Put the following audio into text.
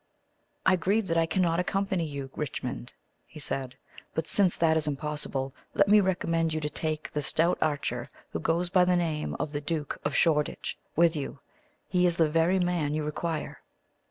"I grieve that I cannot accompany you, Richmond," he said; "but since that is impossible, let me recommend you to take the stout archer who goes by the name of the Duke of Shoreditch with you. He is the very man you require."